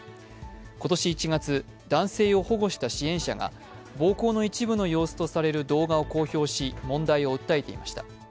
今年１月、男性を保護した支援者が暴行の一部の様子とされる動画を公表し問題を訴えていました。